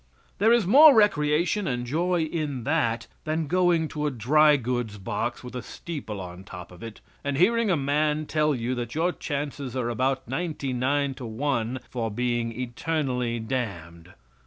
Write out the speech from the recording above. There is more recreation and joy in that than going to a dry goods box with a steeple on top of it and hearing a man tell you that your chances are about ninety nine to one for being eternally damned.